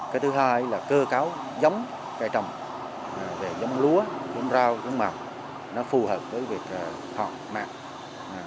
cái thứ hai là cơ cáo giống cây trồng giống lúa giống rau giống mặn nó phù hợp với việc họp mạng